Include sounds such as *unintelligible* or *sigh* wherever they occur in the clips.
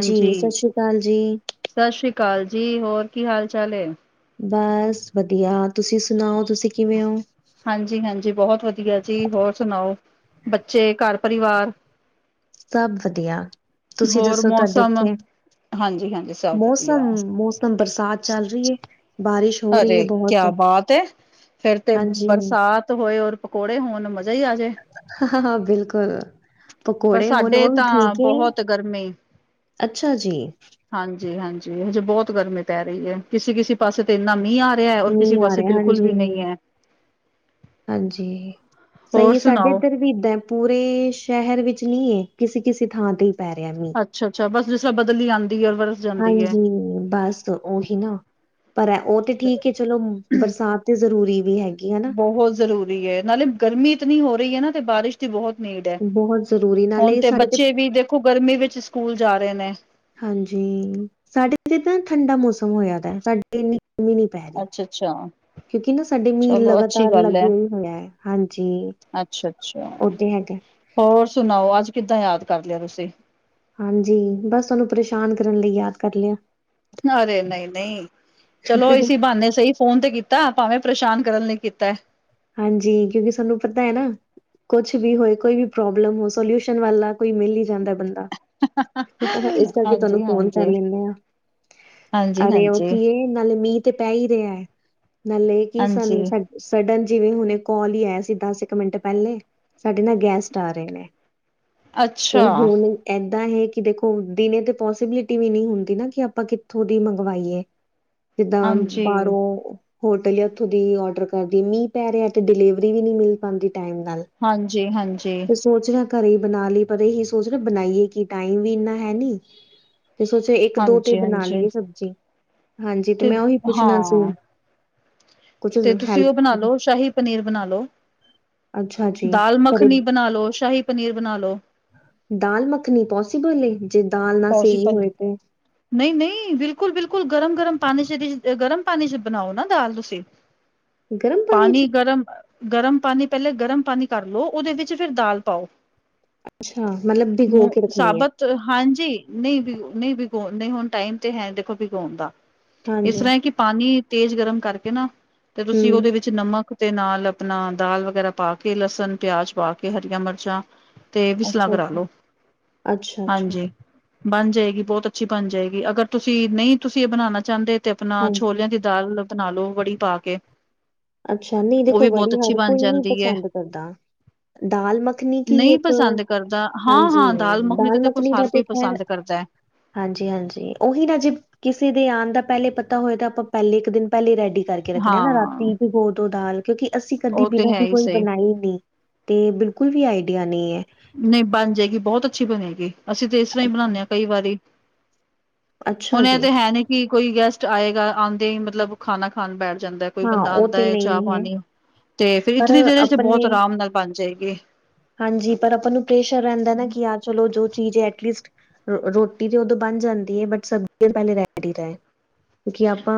ਜੀ ਸਤਿ ਸ੍ਰੀ ਅਕਾਲ ਜੀ। ਸਤਿ ਸ੍ਰੀ ਅਕਾਲ ਜੀ। ਹੋਰ ਕੀ ਹਾਲ ਚਾਲ ਹੈ। ਬਸ ਵਧੀਆ। ਤੁਸੀਂ ਸੁਣਾਓ ਤੁਸੀਂ ਕਿਵੇਂ ਹੋ। ਹਾਂਜੀ ਹਾਂਜੀ ਬਹੁਤ ਵਧੀਆ ਜੀ। ਹੋਰ ਸੁਣਾਓ। ਬੱਚੇ ਘਰ ਪਰਿਵਾਰ। ਸਭ ਵਧੀਆ, ਤੁਸੀਂ ਹੋਰ ਦੱਸੋ ਤੁਹਾਡੇ ਮੌਸਮ? ਇੱਥੇ ਹਾਂਜੀ-ਹਾਂਜੀ, ਸਭ ਵਧੀਆ, ਮੌਸਮ-ਮੌਸਮ ਬਰਸਾਤ ਚੱਲ ਰਹੀ ਹੈ, ਬਾਰਿਸ਼। ਹੋ ਰਹੀ ਹੈ ਅਰੇ, ਬਹੁਤ ਕਿਆ ਬਾਤ ਐ। ਫੇਰ ਤੇ ਹਾਂਜੀ, ਬਰਸਾਤ ਹੋਏ, ਔਰ ਪਕੌੜੇ ਹੋਣ ਮਜ਼ਾ ਹੀ ਆ ਜਾਏ। ਹਾਂ ਬਿਲਕੁਲ, ਪਕੌੜੇ ਹੋਣ ਉਹ ਵੀ ਠੀਕ ਏ ਗਰਮੀੇ। ਅੱਛਾ ਜੀ? ਹਾਂਜੀ- ਹਾਂਜੀ, ਹਜੇ ਬਹੁਤ ਗਰਮੀ ਪੈ ਰਹੀ ਹੈ, ਕਿਸੇ ਕਿਸੇ ਪਾਸੇ ਇੰਨਾ ਮੀਂਹ ਆ ਰਿਹਾ, ਔਰ ਕਿਸੇ ਮੀਂਹ ਆ ਪਾਸੇ ਰਿਹਾ ਬਿਲਕੁਲ ਵੀ ਹਾਂਜੀ, ਨਹੀਂ ਐ। ਹਾਂਜੀ, ਸਹੀ ਹੋਰ ਹੈ, ਸਾਡੇ ਸੁਣਾਓ? ਇੱਧਰ ਵੀ ਇੱਦਾ ਪੂਰੇ ਸ਼ਹਿਰ ਵਿੱਚ ਨਹੀਂ ਏ, ਕਿਸੇ ਕਿਸੇ ਥਾਂ ਤੇ ਹੀ ਪੈ ਰਿਹਾ ਮੀਂਹ। ਅੱਛਾ-ਅੱਛਾ, ਬਸ ਜਿਸ ਬਦਲੀ ਆਉਂਦੀ ਹੈ। ਜਾਂਦੀ ਹੈ। ਹਾਂਜੀ, ਬਸ ਉਹੀ ਨਾਂ ਪਰ ਉਹ ਤੇ ਠੀਕ ਹੈ ਚਲੋ, ਬਰਸਾਤ ਤੇ ਜ਼ਰੂਰੀ ਵੀ ਹੈਗੀ ਹੈ ਨਾ? ਉਹ ਜ਼ਰੂ ਰੀ ਏ ਨਾਲੇ ਗਰਮੀ ਇਤਨੀ ਹੋ ਰਹੀ ਹੈ ਨਾ ਤੇ ਬਾਰਿਸ਼ ਬਹੁਤ ਨੀਡ ਹੈ, ਬਹੁਤ ਜ਼ਰੂਰੀ ਹੁਣ ਨਾਲੇ ਤੇ ਸਾਡੇ ਬੱਚੇ ਵੀ ਦੇਖੋ ਗਰਮੀ ਵਿੱਚ ਸਕੂਲ ਜਾ ਰਹੇ ਨੇ। ਹਾਂਜੀ, ਸਾਡੇ ਇਥ ਤਾਂ ਠੰਡਾ ਮੌਸਮ ਹੋਇਆ ਦੈ। ਤਾਂ ਸਾਡੇ ਇੰਨੀ ਗਰਮੀ ਨੀਂ। ਅੱਛਾ-ਅੱਛਾ। ਕਿਉਕਿ ਨਾ ਸਾਡੇ ਮੀਂਹ ਚਲੋ ਅੱਛੀ ਲਗਾਤਾਰ ਲੱਗੇਆ ਹੀ ਹੋਇਆ ਐ, ਹਾਂਜੀ। ਅੱਛਾ- ਅੱਛਾ। ਉਹ ਤੇ ਹੈਗਾ। ਹੋਰ ਸੁਣਾਓ, ਅੱਜ ਕਿੱਦਾਂ ਯਾਦ ਕਰ ਲਿਆ ਤੁਸੀਂ? ਹਾਂਜੀ, ਬਸ ਤੁਹਾਨੂੰ ਪਰੇਸ਼ਾਨ ਕਰਨ ਲਈ ਯਾਦ ਕਰ ਲਿਆ। ਅਰੇ ਨਹੀਂ- ਨਹੀਂ, ਚਲੋ ਇਸ ਸੀ ਬਾਹਾਨੇ ਸਹੀ ਫੋਨ ਤੇ ਕੀਤਾ, ਭਾਵੇਂ ਪਰੇਸ਼ਾਨ ਕਰਨ ਲਈ ਕੀਤਾ ਐ। ਹਾਂਜੀ, ਕਿਉਂਕਿ ਸਾਨੂੰ ਪਤਾ ਹੈ ਨਾ ਕੁੱਛ ਵੀ ਹੋਏ ਕੋਈ ਵੀ ਪ੍ਰੋਬਲਮ ਹੋ, ਸੋਲਿਊਸ਼ਨ ਵਾਲਾ ਕੋਈ ਮਿਲ ਹੀ ਜਾਂਦੈਂ ਬੰਦਾ। ਇਸ ਕਰਕੇ ਤੁਹਾਨੂੰ ਫੋਨ ਕਰ ਹਾਂਜੀ-ਹਾਂਜੀ ਲੈਂਦੇ ਆ, ਹਾਂਜੀ-ਹਾਂਜੀ ਅਰੇ ਉਹ ਹਾਂਜੀ ਕੀ ਨਾਲੇ ਮੀਂਹ ਤੇ ਪੈ ਈ ਰਿਹਾ ਹੈ, ਨਾਲੇ ਹਾਂਜੀ ਕੀ ਸਾਨੂੰ ਹਾਂਜੀ, ਸਡਨ ਜਿਵੇਂ ਹੁਣੇ ਕਾਲ ਹੀ ਆਇਆ ਸੀ, ਦਸ ਇੱਕ ਮਿੰਟ ਪਹਿਲੇ, ਸਾਡੇ ਨਾ ਗੈਸਟ ਆ ਰਹੇ ਨੇ। ਉਹ ਅੱਛਾ ਹੁਨ? ਇਦਾਂ ਹੈ ਕਿ ਦੇਖੋ ਦਿਨੇ ਤੇ ਪੋਸੀਬਿਲਿਟੀ ਵੀ ਨਹੀਂ ਹੁੰਦੀ ਨਾ, ਕਿ ਆਪਾਂ ਕਿੱਥੋਂ ਦੀ ਮੰਗਵਾਈਏ? ਜਿੱਦਾਂ ਬਾਹਰੋਂ ਹੋਟਲ ਜਾਂ ਉੱਥੋਂ ਦੀ ਆਰਡਰ ਕਰਦੀਏ ਮੀਂਹ ਪੈ ਰਿਹਾ ਤੇ ਡਿਲੀਵਰੀ ਵੀ ਨਹੀਂ ਮਿਲ ਪਾਉਂਦੀ ਟਾਈਮ ਨਾਲ। ਹਾਂਜੀ- ਹਾਂਜੀ। ਸੋਚ ਰਿਹਾ ਘਰੇ ਹੀ ਬਣਾ ਲਈ, ਪਰ ਇਹੀ ਸੋਚ ਰਿਹਾ ਬਣਾਈਏ ਕਿ ਟਾਈਮ ਵੀ ਇੰਨਾ ਹੈ ਨੀਂ। ਤੇ ਸੋਚੋ ਇੱਕ ਦੋ ਤੇ ਬਣਾ ਹਾਂਜੀ-ਹਾਂਜੀ ਲਈਏ ਸਬਜ਼ੀ, ਹਾਂਜੀ। ਤੇ ਮੈਂ ਉਹੀ ਪੁੱਛਣਾ ਸੀ ਕੁਛ ਤੇ ਤੁਸੀਂ ਹੈਲਪ ਉਹ ਬਣਾ ਕਰੋ। ਲਓ, ਸ਼ਾਹੀ ਪਨੀਰ ਬਣਾ ਲਓ ਅੱਛਾ ਜੀ ਦਾਲ ਘਰੇ ਮੱਖਣੀ ਬਣਾ ਲੋ, ਸ਼ਾਹੀ ਪਨੀਰ ਬਣਾ ਲੋ? ਦਾਲ ਮੱਖਣੀ ਪੋਸੀਬਲ ਏ? ਜੇ ਦਾਲ ਨਾ ਸਹੀ ਹੋਏ ਤੇ? ਨਹੀਂ- ਨਹੀਂ, ਬਿਲਕੁਲ-ਬਿਲਕੁਲ, ਗਰਮ-ਗਰਮ ਪਾਣੀ ਚ ਗਰਮ ਪਾਣੀ ਚ ਬਣਾਓ ਨਾ ਦਾਲ ਤੁਸੀਂ। *inaudible* 'ਚ? ਪਾਣੀ ਗਰਮ, ਗਰਮ ਪਾਣੀ, ਪਹਿਲੇ ਗਰਮ ਪਾਣੀ ਕਰ ਲਉ ਉਹਦੇ ਵਿੱਚ ਫਿਰ ਦਾਲ ਪਾਓ। ਅੱਛਾ, ਮਤਲਬ ਭਿਗੋ ਕੇ ਰੱਖਣੀ ਹੈ। ਸਾਬਤ? ਹਾਂਜੀ, ਨਹੀਂ ਵੀ-ਨਹੀਂ ਵੀ ਨਹੀਂ ਹੁਣ ਟਾਈਮ ਤੇ ਹੈ, ਦੇਖੋ ਵਿਗਾਉਣ ਦਾ ਇਸ ਹਾਂਜੀ, ਤਰ੍ਹਾਂ ਕਿ ਪਾਣੀ ਤੇਜ਼ ਗਰਮ ਕਰਕੇ ਨਾ ਤੇ ਤੁਸੀਂ ਉਹਦੇ ਹੂੰ, ਵਿੱਚ ਚ ਨਮਕ ਤੇ ਨਾਲ ਅਪਣਾ ਦਾਲ ਵਗੈਰਾ ਪਾ ਕੇ ਲਸਣ, ਪਿਆਜ ਪਾ ਕੇ ਹਰੀਆਂ ਮਰਚਾਂ ਤੇ ਵਿਸਲਾਂ ਕਰਾ ਅੱਛਾ-ਅੱਛਾ, ਲੋ, ਅੱਛਾ-ਅੱਛਾ, ਹਾਂਜੀ। ਬਣ ਜਾਏਗੀ ਬੋਹਤ ਅੱਛੀ ਬਣ ਜਾਏਗੀ, ਅਗਰ ਤੁਸੀਂ ਨਈ ਤੁਸੀਂ ਏਹ ਬਣਾਣਾ ਚਾਂਦੇ ਤੇ ਅਪਣਾ ਹਾਂਜੀ। ਛੋਲੇਆਂ ਦੀ ਦਾਲ ਬਣਾ ਲੋ ਵੜੀ ਪਾ ਕੇ। ਅੱਛਾ ਨਹੀਂ ਉਹ ਦੇਖੋ ਵੀ ਬਹੁਤ ਵੜੀ ਅੱਛੀ ਹਰ ਬਣ ਕੋਈ ਨੀ ਜਾਂਦੀ ਹੈ ਪਸੰਦ ਕਰਦਾ। ਦਾਲ ਮੱਖਣੀ ਕੀ ਨਹੀਂ ਏਕ, ਪਸੰਦ ਕਰਦਾ ਹਾਂਜੀ ਹਾਂ-ਹਾਂ ਤੇ ਦਾਲ ਦੇਖੋ ਮੱਖਣੀ ਦਾ ਹਰ ਕੋਈ ਤੇ ਖੈਰ ਪਸੰਦ ਕਰਦਾ ਏ। ਹਾਂਜੀ-ਹਾਂਜੀ ਓਹੀ ਨਾ ਜੇ ਕਿਸੇ ਦੇ ਆਣ ਦਾ ਪੇਹਲੇ ਪਤਾ ਹੋਏ ਤਾਂ ਆਪਾਂ ਪੇਹਲੇ ਇੱਕ ਦਿਨ ਪੇਹਲੇ ਹੀ ਰੈਡੀ ਕਰ ਕੇ ਰੱਖਣੇ ਆ ਨਾ, ਹਾਂ ਰਾਤੀ ਪਿਗੋ ਦੋ ਦਾਲ ਕਿਉਂਕਿ ਅਸੀਂ ਕਦੀ ਉਹ ਤੇ ਬਿਨਾਂ ਹੈ ਹੀ ਭੀਗੋਏ ਸਹੀ ਬਣਾਈ ਨੀ। ਤੇ ਬਿਲਕੁਲ ਵੀ ਆਈਡੀਆ ਨਈ ਏ। ਨਈ ਬਣ ਜਾਏਗੀ ਬੋਹਤ ਅੱਛੀ ਬਣੇਗੀ, ਅਸੀਂ ਤੇ ਏਸ ਰ੍ਹਾਂ ਹੀ ਅੱਛਾ, ਬਣਾਨੇ ਆਂ ਕਈ ਵਾਰੀ। ਅੱਛਾ ਹੁਣ ਏਹ ਜੀ। ਤੇ ਹੈ ਨੀ ਕਿ ਕੋਈ ਗੈਸਟ ਆਏਗਾ, ਆਂਦੇ ਹੀ ਮਤਲਬ ਖਾਣਾ ਖਾਣ ਬੈਠ ਜਾਂਦਾ ਏ। ਕੋਈ ਹਾਂ ਬੰਦਾ ਉਹ ਆਂਦਾ ਤੇ ਏ ਚਾਹ ਨਹੀਂ ਹੈ ਪਾਣੀ, ਤੇ ਫਿਰ ਪਰ ਇਤਨੀ ਦੇਰ ਚ ਆਪਣੇ ਬੋਹਤ ਆਰਾਮ ਨਾਲ ਬਾਣ ਜਾਏਗੀ। ਹਾਂਜੀ ਪਰ ਅਪਾਂ ਨੂੰ ਪ੍ਰੇਸ਼ਰ ਰੇਹੰਦਾ ਨਾ ਕਿ ਆ ਚਲੋ ਜੋ ਚੀਜ਼ ਐਟਲੀਸਟ ਅ ਰੋਟੀ ਤੇ ਉਦੋਂ ਬਣ ਜਾਂਦੀ ਏ ਬਟ ਸਬਜ਼ੀ ਪੇਹਲੇ ਰੇਡੀ ਰਏ।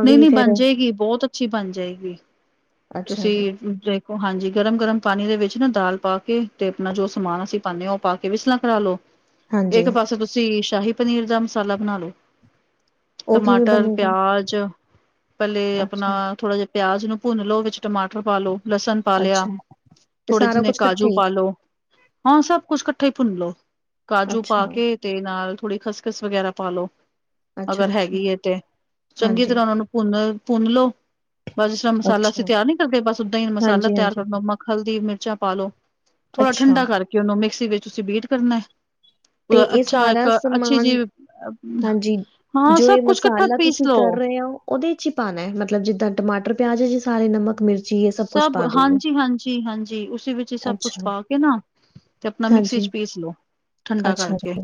ਨਈ-ਨਈ ਬਾਣ ਜਾਏਗੀ ਬੋਹਤ ਅੱਛੀ ਬਾਣ ਜਾਏਗੀ, ਅੱਛਾ ਜੀ ਤੁਸੀਂ ਦੇਖ ਹਾਂਜੀ ਗਰਮ-ਗਰਮ ਪਾਣੀ ਦੇ ਵਿੱਚ ਨਾ ਦਾਲ ਪਾ ਕੇ ਤੇ ਅਪਣਾ ਜੋ ਸਮਾਨ ਅਸੀਂ ਪਾਣੇ ਆਂ ਉਹ ਪਾ ਕੇ ਵਿਸਲਾਂ ਕਰਾ ਲੋ। ਹਾਂਜੀ ਏਕ ਪਾਸੇ ਤੁਸੀਂ ਸ਼ਾਹੀ ਪਨੀਰ ਦਾ ਮਸਾਲਾ ਬਣਾ ਲੋ, ਉਹ ਕਿਵੇਂ ਟਮਾਟਰ ਬਣੇਗਾ ਆਲ ਚ, ਪੇਹਲੇ ਅੱਛਾ ਅਪਣਾ ਥੋੜਾ ਜੇਆ ਪਿਆਜ ਨੂੰ ਭੁੰਨ ਲੋੋ ਵਿੱਚ ਟਮਾਟਰ ਪਾ ਲੋੋ ਲਸਣ ਪਾ ਲੇਆ, ਅੱਛਾ ਇਹ ਥੋੜੇ ਸਾਰਾ ਜਿੰਨੇ ਕੁਛ ਇਕੱਠੇ ਕਾਜੂ ਹੀ ਪਾ ਲੋ। ਹਾਂ ਸਭ ਕੁਛ ਕੱਠਾ ਹੀ ਭੁੰਨ ਲੋੋ, ਕਾਜੂ ਪਾ ਅੱਛਾ ਕੇ ਤੇ ਨਾਲ ਥੋੜ੍ਹੀ ਖਸਖਸ ਵਗੈਰਾ ਪਾ ਲੋ, ਅੱਛਾ ਅਗਰ ਅੱਛਾ ਹੈਗੀ ਏ ਤੇ। ਚੰਗੀ ਹਾਂਜੀ ਤਰ੍ਹਾਂ ਉਨ੍ਹਾਂ ਨੂੰ ਭੁੰਨ, ਭੁੰਨ ਲੋ। ਬਸ ਜਿਸ ਤਰ੍ਹਾਂ ਮਸਾਲਾ ਅਸੀਂ ਅੱਛਾ ਤਿਆਰ ਨੀ ਕਰਦੇ ਬਸ ਉਦਾਂ ਹੀ ਮਸਾਲਾ ਹਾਂਜੀ ਤਿਆਰ ਹਾਂਜੀ ਕਰਨਾ ਮੱਖ, ਹਲਦੀ, ਮਿਰਚਾਂ ਪਾ ਲੋ। ਥੋੜ੍ਹਾ ਅੱਛਾ ਠੰਡਾ ਕਰਕੇ ਉਹਨੂੰ ਮਿਕਸੀ ਵਿੱਚ ਤੁਸੀਂ ਬੀਟ ਕਰਨਾ ਤੇ ਹੈ। ਇਹ ਅੱਛਾ ਸਾਰਾ ਏਕ ਅੱਛੀ ਸਮਾਨ ਜੀ, ਹਾਂਜੀ, ਹਾਂ ਜੋ ਸਭ ਇਹ ਕੁਛ ਕੱਠਾ ਮਸਾਲਾ ਤੁਸੀਂ ਕਰ ਰਏ ਹੋ ਉਹਦੇ ਇੱਚ ਹੀ ਪਾਣਾ ਏ ਮਤਲਬ ਜਿੱਦਾਂ ਟਮਾਟਰ ਪਿਆਜ ਹਿਜ਼ ਹੀ ਸਾਰੇ ਨਮਕ ਮਿਰਚ? ਸਬ ਹਾਂਜੀ-ਹਾਂਜੀ-ਹਾਂਜੀ ਉਸੀ ਵਿੱਚ ਹੀ ਸਭ ਕੁਛ ਅੱਛਾ, ਪਾ ਕੇ ਨਾ ਤੇ ਅਪਣਾ ਮਿਕਸੀ ਚ ਹਾਂਜੀ, ਪੀਸ ਲੋੋ। ਠੰਡਾ ਅੱਛਾ ਕਰਕੇ, ਜੀ,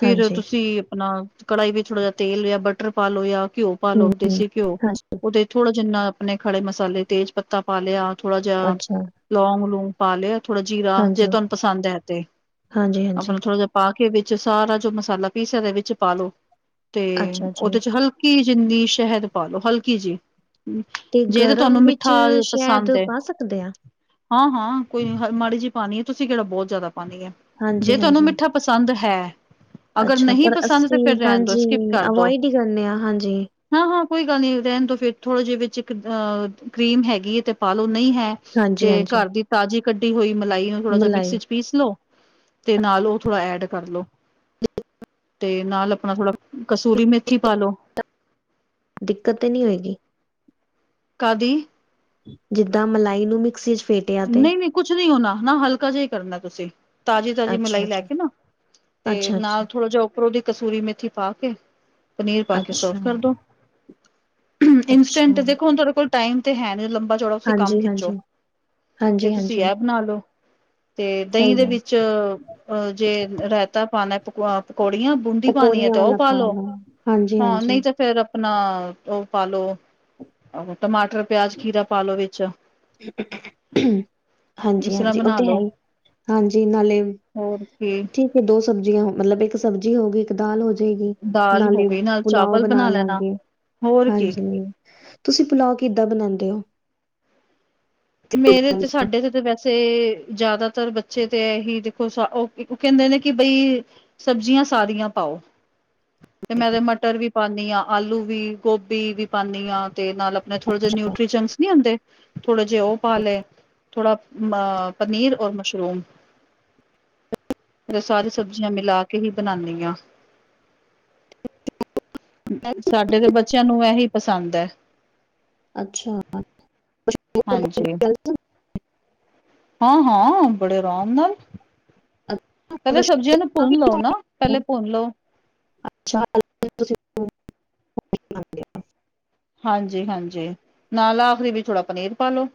ਫਿਰ ਹਾਂਜੀ, ਤੁਸੀਂ ਅਪਣਾ ਕੜਾਈ ਵਿੱਚ ਥੋੜ੍ਹਾ ਜੇਹਾ ਤੇਲ ਯਾ ਬਟਰ ਪਾ ਲੋ ਯਾ ਘਿਓ ਪਾ ਲੋ ਹੂੰ-ਹੂੰ, ਦੇਸੀ ਘਿਓ, ਹਾਂਜੀ, ਉਹਦੇ ਥੋੜ੍ਹਾ ਜਿੰਨਾ ਅਪਣੇ ਖੜੇ ਮਸਾਲੇ ਤੇਜ ਪਤਾ ਪਾ ਲੇਆ ਥੋੜਾ ਜੇਹਾ ਅੱਛਾ, ਲੌਂਗ ਲੂੰਗ ਪਾ ਲੇਆ ਥੋੜਾ ਜੀਰਾ ਜੇ ਹਾਂਜੀ, ਤੁਹਾਨੂੰ ਪਸੰਦ ਹੈ ਤੇ, ਹਾਂਜੀ-ਹਾਂਜੀ, ਅਪਣਾ ਥੋੜਾ ਜੇਹਾ ਪਾ ਕੇ ਵਿੱਚ ਸਾਰਾ ਜੋ ਮਸਾਲਾ ਪੀਸਿਆ ਦਾ ਵਿੱਚ ਪਾਲੋ, ਤੇ ਅੱਛਾ ਉਹਦੇ ਜੀ, ਚ ਹਲ ਹਲਕੀ ਜਿੰਨੀ ਸ਼ੇਹਦ ਪਾਲੋ ਹਲਕੀ ਜਿਹ, ਜੇ ਤੇ ਤੁਹਾਨੂੰ ਮਿ ਚ ਸ਼ੇਹਦ ਪਾ ਸਕਦੇ ਆ? ਹਾਂ-ਹਾਂ ਕੋਈ ਨੀ ਹ ਮਾੜੀ ਜਿਹ ਪਾਣੀ ਏ ਤੁਸੀਂ ਕੇਹੜਾ ਬੋਹਤ ਜ਼ਆਦਾ ਪਾਣੀ ਏ, ਜੇ ਤੁਹਾਨੂੰ ਹਾਂਜੀ-ਹਾਂਜੀ, ਮਿੱਠਾ ਪਸੰਦ ਹੈ ਅਗਰ ਅੱਛਾ ਨਹੀਂ ਪਰ ਪਸੰਦ ਤੇ ਅਸੀਂ ਫੇਰ ਰੇਹਣ ਦੋ ਹਾਂਜੀ ਸਕਿਪ ਕਰਦੋ। ਅਵੋਇਡ ਹੀ ਕਰਨੇ ਆ ਹਾਂਜੀ, ਹਾਂ-ਹਾਂ ਕੋਈ ਗੱਲ ਨੀ ਰੇਹਣ ਦੌ ਫਿਰ ਥੋੜਾ ਜੇਹੇ ਵਿੱਚ ਇੱਕ ਅਹ ਕਰੀਮ ਹੈਗੀ ਏ ਤੇ ਪਾਲੋ, ਨਹੀਂ ਹੈ ਤੇ ਹਾਂਜੀ-ਹਾਂਜੀ। ਕਾਰ ਦੀ ਤਾਜ਼ੀ ਕੱਢੀ ਹੋਈ ਮਲਾਈ ਨੂੰ ਥੋੜਾ ਜੇਹਾ ਮਲਾਈ, ਮਿਕਸੀ ਚ ਪੀਸ ਲੋ, ਤੇ ਨਾਲ ਉਹ ਥੋੜਾ ਐਡ ਕਰ ਲੋ। ਤੇ ਨਾਲ ਅਪਣਾ ਥੋੜਾ ਕਸੂਰੀ ਮੇਥੀ ਪਾਲੋ। ਦਿੱਕਤ ਤੇ ਨਹੀਂ ਹੋਏਗੀ? ਕਾਦੀ? ਜਿੱਦਾਂ ਮਲਾਈ ਨੂੰ ਮਿਕਸੀ ਚ' ਫੇਕ ਨਹੀਂ- ਨਹੀਂ ਕੁਛ ਨਹੀਂ ਹੋਣਾ ਨਾ ਹਲਕਾ ਜਿਹਾ ਹੀ ਕਰਨਾ ਤੁਸੀਂ, ਤਾਜ਼ੀ- ਤਾਜ਼ੀ ਮਲਾਈ ਲੈ ਅੱਛਾ-ਅੱਛਾ, ਕੇ ਨਾ। ਤੇ ਅੱਛਾ-ਅੱਛਾ। ਨਾਲ ਥੋੜ੍ਹਾ ਜਿਹਾ ਉੱਪਰੋਂ ਦੀ ਕਸੂਰੀ ਮੇਥੀ ਪਾ ਕੇ। ਪਨੀਰ ਪਾ ਕੇ ਸਰਵ ਅੱਛਾ, ਕਰਦੋ। ਅੱਛਾ ਇੰਸਟੈਂਟ ਦੇਖੋ ਹੁਣ ਤੁਹਾਡੇ ਕੋਲ ਟਾਈਮ ਤੇ ਹੈ ਨੀ ਲੰਬਾ ਚੌੜਾ ਤੁਸੀਂ ਕੰਮ ਹਾਂਜੀ, ਖਿੱਚੋ। ਹਾਂਜੀ, ਤੇ ਹਾਂਜੀ, ਤੁਸੀਂ ਹਾਂਜੀ ਇਹ ਬਣਾ ਲਓ। ਤੇ ਦਹੀਂ ਸਹੀ ਦੇ ਹੈ। ਵਿੱਚ ਅ ਜੇ ਰਾਇਤਾ ਪਾਣਾ ਪਕ ਪਕੌੜੀਆਂ, ਬੂੰਡੀ ਉਹ ਪਾਣੀ ਹੈ ਕੋੜੀਆਂ ਤੇ ਉਹ ਵਾਲਾ ਪਾਲੋ। ਪਾਲ ਆ ਹਾਂਜੀ, ਹਾਂ, ਨਹੀਂ ਹਾਂਜੀ। ਤਾਂ ਫੇਰ ਆਪਣਾ ਉਹ ਪਾਲੋ ਟਮਾਟਰ, ਪਿਆਜ, ਖੀਰਾ ਪਾ ਲੋ ਵਿੱਚ। ਹੂ ਹਾਂਜੀ- ਇਸ ਤਰ੍ਹਾਂ ਹਾਂਜੀ ਉਹ ਬਣਾ ਤੇ ਹੈ ਲੋ ਹੀ, ਹਾਂਜੀ ਨਾਲੇ ਹੋਰ ਕੀ ਠੀਕ। ਦੋ ਸਬਜ਼ੀਆਂ ਮਤਲਬ ਇੱਕ ਸਬਜ਼ੀ ਹੋਗੀ। ਦਾਲ ਹੋ ਜਾਏਗੀ। ਦਾਲ ਹੋ ਨਾਲੇ ਗਈ ਨਾਲ ਪੁਲਾਓ ਚਾਵਲ ਬਣਾ ਲੈਣਾ ਲਾਂਗੇ। ਹੋਰ ਕੀ ਹਾਂਜੀ। ਤੁਸੀਂ ਪੁਲਾਓ ਕਿੱਦਾਂ ਬਣਾਉਂਦੇ ਹੋ? ਮੇਰੇ ਤੇ ਸਾਡੇ ਤੇ ਤੇ ਵੈਸੇ ਤੇ ਜ਼ਿਆਦਾਤਰ ਬੱਚੇ ਤੇ ਇਹੀ ਦੇਖੋ ਉਹ ਕਹਿੰਦੇ ਨੇ ਕਿ ਬਈ ਸਬਜ਼ੀਆਂ ਸਾਰੀਆਂ ਪਾਓ। ਤੇ ਮੈਂ ਤੇ ਮਟਰ ਵੀ ਪਾਉਦੀ ਹਾਂ। ਆਲੂ ਵੀ, ਗੋਭੀ ਵੀ ਪਾਉਂਦੀ ਹਾਂ ਤੇ ਨਾਲ ਆਪਣੇ ਥੋੜੇ ਜਿਹੇ ਨਿਊਟਰੀਜਸ ਨਹੀਂ ਆਉਂਦੇ। ਥੋੜੇ ਜਿਹੇ ਉਹ ਪਾ ਲੇ, ਥੋੜਾ ਅ ਪਨੀਰ ਔਰ ਮਸ਼ਰੂਮ। ਫ ਸਾਰੀ ਸਬਜ਼ੀਆਂ ਮਿਲਾ ਕੇ ਹੀ ਬਣਾਉਂਦੀ ਹਾਂ। ਸਾਡੇ ਦੇ ਬੱਚਿਆਂ ਨੂੰ ਇਹੀ ਪਸੰਦ ਹੈ। ਅੱਛਾ। ਹਾਂਜੀ। ਹਾਂ -ਹਾਂ, ਬੜੇ ਆਰਾਮ ਨਾਲ। ਪਹਿਲੇ ਸਬਜ਼ੀਆਂ ਨੂੰ ਭੁੰਨ ਲਓ ਨਾ, ਪਹਿਲੇ ਭੁੰਨ ਲਓ। ਅੱਛਾ। ਹਾਂਜੀ- ਹਾਂਜੀ। ਨਾਲ ਆਖਰੀ ਵੀ ਥੋੜ੍ਹਾ ਪਨੀਰ ਪਾ ਲੋੋ।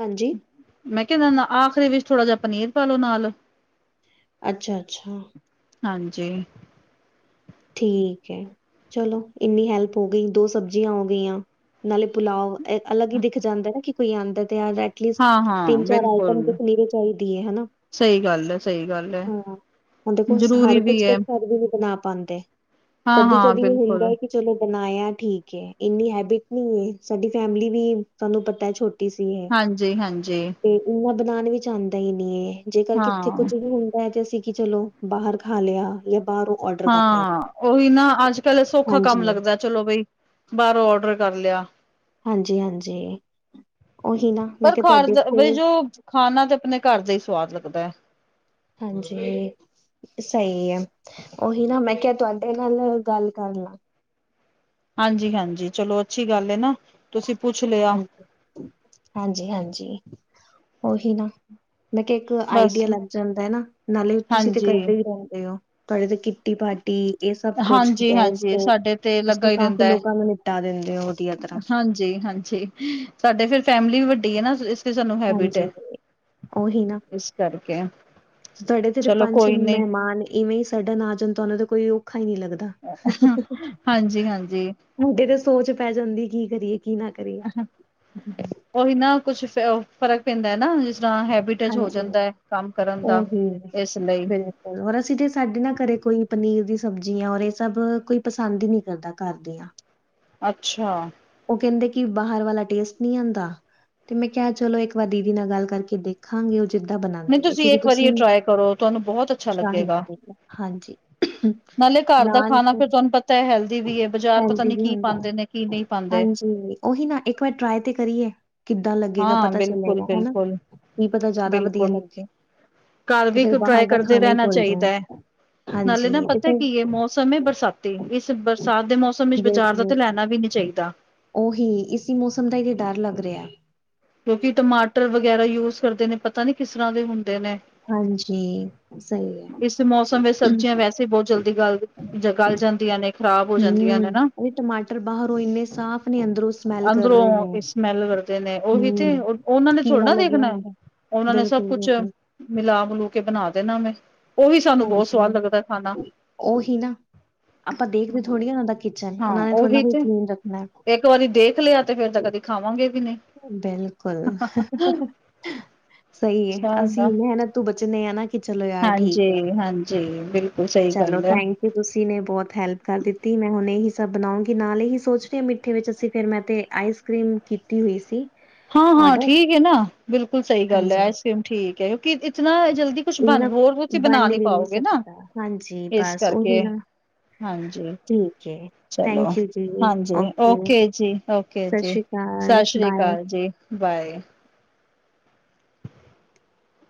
ਹਾਂਜੀ। ਮੈਂ ਕਿਹਾ, ਆਖਰੀ ਵਿੱਚ ਥੋੜ੍ਹਾ ਜਿਹਾ ਪਨੀਰ ਪਾ ਲ ਲੋ ਨਾਲ। ਅੱਛਾ -ਅੱਛਾ। ਹਾਂਜੀ। ਠੀਕ ਹੈ। ਚਲੋ ਇੰਨੀ ਹੈਲਪ ਹੋ ਗਈ, ਦੋ ਸਬਜ਼ੀਆਂ ਹੋ ਗਈਆਂ ਨਾਲੇ ਪੁਲਾਵ। ਅਲੱਗ ਹੀ ਦਿਖ ਜਾਂਦਾ ਕਿ ਕੋਈ ਆਉਂਦਾ ਤੇ ਯਾਰ ਰਹਿ। ਟ ਹਾਂ-ਹਾਂ ਤਿੰਨ- ਚਾਰ ਆਈਟਮ ਦੇ ਬਿਲਕੁਲ ਨਰੇ ਚਾਹੀਦੀ ਏ ਹਨਾ। ਸਹੀ ਗੱਲ ਹੈ ਸਹੀ ਗੱਲ ਹੈ। ਹੁਣ ਦੇਖਲ ਜ਼ਰੂਰੀ ਹਰ ਕੁਛ ਵੀ ਕੁ ਹੈ ਕਰ ਵੀ ਵੀ ਬਣਾ ਪਾਉਂਦੇ। ਕਦੀ- ਹਾਂ-ਹਾਂ ਕਦੀ ਇਹ ਬਿਲਕੁਲ ਹੁੰਦਾ ਕਿ ਚਲੋ ਬਣਾਇਆ ਠੀਕ ਏ। ਇੰਨੀ ਹੈਬਿਟ ਨ ਸਾਡੀ ਫੈਮਿਲੀ ਵੀ ਤੁਹਾਨੂੰ ਪਤਾ ਛੋ ਉਸੇ, ਹਾਂਜੀ-ਹਾਂਜੀ। ਤੇ ਇਨਾ ਬਣਾਉਣ ਵਿੱਚ ਆਉਂਦਾ ਹੀ ਨੀ ਇਹ। ਜੇਕਰ ਕਿੱਥੇ ਕੁੱਝ ਹਾਂ-ਹਾਂ ਵੀ ਹੁੰਦਾ ਹੈ ਤੇ ਅਸੀਂ ਕਿ ਚਲੋ ਬਾਹਰ ਖਾ ਲਿਆ ਜਾਂ ਬਾਹਰ ਉਹ ਔਡਰ ਕਰ ਲਿਆ ਹਾਂ। ਉਹੀ ਨਾ ਅੱਜ ਕੱਲ ਸੌਖਾ ਕੰਮ ਹਾਂਜੀ ਲੱਗਦਾ ਚਲੋ ਬਈ ਬਾਹਰੋਂ ਔਡਰ ਕਰ ਲਿਆ। ਹਾਂਜੀ- ਹਾਂਜੀ। ਉਹੀ ਨਾ ਮੈਂ ਪਰ ਕਿਹਾ ਖਰ ਤੁਹਾਡੇ ਦਾ ਬਈ ਇੱਥੇ ਜੋ ਖਾਣਾ ਤੇ ਆਪਣੇ ਘਰ ਦਾ ਹੀ ਸਵਾਦ ਲੱਗਦਾ ਹੈ। ਹਾਂਜੀ। ਸਹੀ ਹੈ। ਉਹੀ ਨਾ ਮੈਂ ਕਿਹਾ ਤੁਹਾਡੇ ਨਾਲ ਗੱਲ ਕਰ ਲਾ। ਹਾਂਜੀ- ਹਾਂਜੀ। ਚਲੋ ਅੱਛੀ ਗੱਲ ਹੈ ਨਾ, ਤੁਸੀਂ ਪੁੱਛ ਲਿਆ। ਹਾਂਜੀ ਹਾਂਜੀ- ਹਾਂਜੀ ਉਹੀ ਨਾ, ਮੈਂ ਕਿਹਾ ਇੱਕ ਬਸ ਆਈਡੀਆ ਲੱਗ ਜਾਂਦਾ ਹੈ ਨਾ, ਨਾਲੇ ਤੁਸੀਂ ਤੇ ਹਾਂਜੀ ਕਰਦੇ ਹੀ ਰਹਿੰਦੇ ਹੋ। ਤੁਹਾਡੇ ਤੇ ਕਿੱਟੀ ਭ ਟੀ ਏ ਸਭ ਕੁਛ ਗੈਸ, ਹਾਂਜੀ-ਹਾਂਜੀ, ਸਟੋਵ, ਸਾਡੇ ਤੇ ਲੱਗਾ ਹੀ ਕਾਫੀ ਲੋਕਾਂ ਨੂੰ ਨਿਪਟਾ ਦਿੰਦੇ ਹੋ ਵਧੀਆ ਤਰ੍ਹਾਂ। ਹਾਂਜੀ- ਹਾਂਜੀ ਸਾਡੇ ਫੇਰ ਫੈਮਿਲੀ ਵੱਡੀ ਹੈ ਨਾ ਤੇ ਸਾਨੂੰ ਹੈਬਿਟ ਏ ਹਾਂਜੀ ਉਹੀ ਨਾ ਇਸ ਕਰਕੇ। ਤੁਹਾਡੇ ਤੇ ਚਲੋ ਪੰਜ ਛੇ ਕੋਈ ਨੀ ਮਹਿਮਾਨ ਇਵੇਂ ਹੀ ਸਡਨ ਆ ਜਾਣ ਤੁਹਾਨੂੰ ਤੇ ਕੋਈ ਔਖਾ ਹੀ ਨਹੀਂ ਲੱਗਦਾ। *unintelligible* ਹਾਂਜੀ। ਮੁੰਡੇ ਤੇ ਸੋਚ ਪੈ ਜਾਂਦੀ ਕੀ ਕਰੀਏ ਕੀ ਨਾ ਕਰੀਏ। ਉਹੀ ਨਾ ਕੁਛ ਫਰਕ ਪੈਂਦਾ ਹੈ ਨਾ ਜਿਸ ਤਰ੍ਹਾਂ ਹੈਬਿਟ ਟਚ ਹੋ ਹਾਂਜੀ ਜਾਂਦਾ ਹੈ ਕੰਮ ਕਰਨ ਦਾ ਇਸ ਲਈ। ਹੋਰ ਅਸੀਂ ਤੇ ਸਾਡੇ ਨਾ ਘਰੇ ਕੋਈ ਪਨੀਰ ਦੀ ਸਬਜ਼ੀ ਆ, ਔਰ ਇਹ ਸਭ ਕੋਈ ਪਸੰਦ ਹੀ ਨਹੀਂ ਕਰਦਾ ਘਰ ਦੀਆਂ। ਅੱਛਾ। ਉਹ ਕਹਿੰਦੇ ਕਿ ਬਾਹਰ ਵਾਲਾ ਟੇਸਟ ਨਹੀਂ ਆਉਂਦਾ ਤੇ ਮੈਂ ਕਿਹਾ ਚਲੋ ਇੱਕ ਵਾਰ ਦੀਦੀ ਨਾਲ ਗੱਲ ਕਰਕੇ ਦੇਖ ਖਾਂਗੇ, ਉਹ ਜਿੱਦਾਂ ਨਹੀਂ ਬਣਾਉਂਦੇ ਹੈ। ਕਿਉਂਕਿ ਇੱਕ ਵਾਰੀ ਇਹ ਤੁਸੀਂ ਟਰਾਈ ਕਰੋ ਤੁਹਾਨੂੰ ਬਹੁਤ ਅੱਛਾ ਸ਼ਾਹੀ ਲੱਗੇਗਾ। ਹਾਂਜੀ। ਨਾਲ ਫ਼ਿਰ ਤਾਂ ਹੈਲਦੀ ਵੀ ਹੈ। ਬਜ਼ਾਰ ਪਤਾ ਨਹੀਂ ਕੀ ਪਾਉਂਦੇ ਨੇ ਕੀ ਨਹੀਂ ਪਾਉਂਦੇ। ਹਾਂਜੀ ਉਹੀ ਨਾ। ਇੱਕ ਵਾਰ ਟਰਾਏ ਤੇ ਕਰੀਏ। ਕਿੱਦਾਂ ਲੱਗੇਗਾ, ਹਾਂ ਪਤਾ ਚੱਲੇਗਾ, ਹਨਾ। ਬਿਲਕੁਲ-ਬਿਲਕੁਲ, ਕੀ ਪਤਾ ਬਿਲਕੁਲ। ਜ਼ਿਆਦਾ ਵਧੀਆ ਬਿਲਕੁਲ। ਲੱਗੇ। ਘਰ ਤੇ ਵੀ ਫ਼ਿਰ ਟਰਾਈ ਬਾਹਰ ਦਾ ਕਰਦੇ ਖਾਣਾ ਹੀ ਰਹਿਣਾ ਭੁੱਲ ਚਾਹੀਦਾ ਜਾਓ, ਹੈ। ਨਾਲੇ ਨਾ ਹਾਂਜੀ, ਤੇ ਪਤਾ ਕੀ ਹੈ ਫਿਰ ਮੌਸਮ ਹੈ ਬਰਸਾਤੀ, ਇਸ ਬਰਸਾਤ ਦੇ ਮੌਸਮ ਵਿੱਚ ਬਾਜ਼ਾਰ ਦਾ ਬਿਲਕੁਲ ਤਾਂ ਲੈਣਾ ਵੀ ਨੀ ਚਾਹੀਦਾ। ਉਹੀ। ਇਸ ਮੌਸਮ ਦਾ ਹੀ ਤੇ ਡਰ ਲੱਗ ਰਿਹਾ। ਕਿਉਂਕਿ ਟਮਾਟਰ ਵਗੈਰਾ ਯੂਜ ਕਰਦੇ ਨੇ, ਪਤਾ ਨੀ ਕਿਸ ਤਰ੍ਹਾਂ ਦੇ ਹੁੰਦੇ ਨੇ। ਹਾਂਜੀ। ਸਹੀ ਹੈ। ਇਸ ਮੌਸਮ ਵਿੱਚ ਸਬਜ਼ੀਆਂ ਵੈਸੇ ਬਹੁਤ ਜਲਦੀ ਗਲ- ਗਲ ਜਾਂਦੀਆਂ ਨੇ। ਖ਼ਰਾਬ ਹੋ ਜਾਂਦੀਆਂ ਨੇ ਹਮ। ਨਾ। ਓਹੀ ਟਮਾਟਰ ਬਾਹਰੋਂ ਇੰਨੇ ਸਾਫ਼ ਨੇ ਅੰਦਰੋਂ ਸਮੈਲ ਕਰ ਰਹੇ ਨੇ। ਅੰਦਰੋਂ ਸਮੈਲ ਕਰਦੇ ਨੇ, ਉਹੀ ਤੇ। ਹੂੰ, ਉਹਨਾਂ ਨੇ ਥੋੜ੍ਹੇ ਕੀੜਾ ਨਾ ਲੱਗਿਆ ਦੇਖਣਾ। ਹੁੰਦਾ ਉਹਨਾਂ ਨੇ ਸਭ ਕੁਛ ਬਿਲਕੁਲ-ਬਿਲਕੁਲ ਮਿਲਾ ਮਲੂ ਕੇ ਬਣਾ ਦੇਣਾ ਵੇ। ਉਹੀ ਸਾਨੂੰ ਬਹੁਤ ਹਾਂਜੀ। ਸਵਾਦ ਲੱਗਦਾ ਖਾਣਾ ਉਹੀ ਨਾ। ਆਪਾਂ ਦੇਖਦੇ ਥੋੜੀ ਆ ਉਹਨਾਂ ਦਾ ਕਿਚਨ। ਹਾਂ ਉਹਨਾਂ ਨੇ ਥੋੜ੍ਹਾ ਉਹੀ ਨ ਤੇ ਕਲੀਨ ਰਖਣਾ ਹੈ। ਇੱਕ ਵਾਰੀ ਦੇਖ ਲਿਆ, ਤੇ ਫਿਰ ਤਾਂ ਕਦੇ ਖਾਵਾਂਗੇ ਵੀ ਨਹੀਂ। ਬਿਲਕੁਲ, ਸਹੀ ਹੈ। ਅਸੀਂ ਅੱਛਾ ਮਿਹਨਤ ਤੋਂ ਬਚਨੇ ਆਂ ਨਾ ਕਿ ਚਲੋ ਯਾਰ ਠੀਕ ਹੈ, ਹਾਂਜੀ-ਹਾਂਜੀ, ਬਿਲਕੁਲ ਸਹੀ ਚਲੋ ਗੱਲ ਐ। ਥੈਂਕ ਤੇ ਤੁਸੀਂ ਨੇ ਬਹੁਤ ਹੈਲਪ ਕਰ ਦਿੱਤੀ, ਮੈਂ ਹੁਣ ਇਹੀ ਸਭ ਬਣਾਉਂਗੀ ਨਾਲ ਇਹੀ ਸੋਚ ਰਹੀ ਹਾਂ ਮਿੱਠੇ ਵਿੱਚ ਅਸੀਂ ਫੇਰ ਮੈਂ ਤੇ ਆਈਸ ਕਰੀਮ ਕੀਤੀ ਹੋਈ ਸੀ। ਹਾਂ- ਹਾਂ ਔਡਰ ਠੀਕ ਏ ਨਾ, ਬਿਲਕੁਲ ਸਹੀ ਗੱਲ ਏ। ਹਾਂਜੀ ਆਈਸ ਕਰ੍ਰੀਮ ਠੀਕ ਹੈ, ਕਿਉਂਕਿ ਇਤਨਾ ਜਲਦੀ ਕੁਛ ਬਣ ਇੰਨਾ ਹੋਰ ਤੁਸੀਂ ਬਣਾ ਬਣ ਨੀ ਵੀ ਨਹੀਂ ਪਾਓਗੇ ਨਾ, ਸਕਦਾ ਹਾਂਜੀ ਇਸ ਬਸ ਉਹੀ ਕਰਕੇ। ਨਾ ਹਾਂਜੀ, ਠੀਕ ਹੈ ਚਲੋ ਥੈਂਕ ਯੂ ਜੀ ਹਾਂਜੀ, ਓਕੇ ਜੀ। ਓਕੇ ਸਤਿ ਜੀ, ਸ਼੍ਰੀ ਅਕਾਲ ਸਤਿ ਸ਼੍ਰੀ ਬਾਏ ਅਕਾਲ ਜੀ, ਬਾਏ।